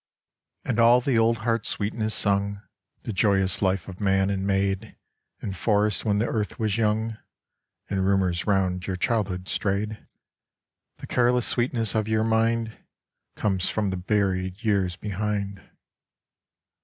And all the old heart sweetness sung, The joyous life of man and maid In forests when the earth was young, In rumours round your childhood strayed : The careless sweetness of your mind Comes from the buried years behind.